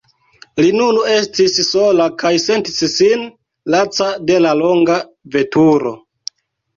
Li nun estis sola kaj sentis sin laca de la longa veturo.